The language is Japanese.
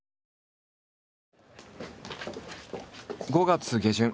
５月下旬。